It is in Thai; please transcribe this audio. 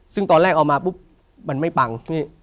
ซึ่งตอนแรกเอามาปุ๊บมันไม่ปัง